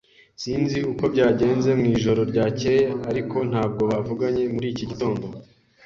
Sinzi uko byagenze mwijoro ryakeye, ariko ntabwo bavuganye muri iki gitondo.